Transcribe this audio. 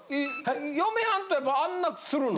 嫁はんとはやっぱあんなするの？